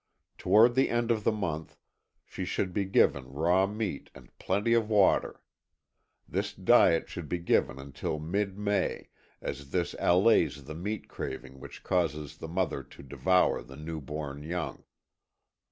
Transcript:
Toward the end of the month she should be given raw meat and plenty of water. This diet should be given until mid May, as this allays the meat craving which causes the mother to devour the new born young.